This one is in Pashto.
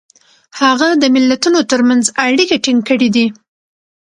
هغه د ملتونو ترمنځ اړیکې ټینګ کړي دي.